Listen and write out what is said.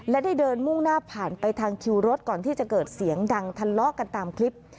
และได้เดินมุ่งหน้าผ่านไปทางคิวรถก่อนที่จะเกิดเสียงดังทะเลาะกันตามคลิป